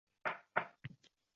Uni tushunsa bo`lardi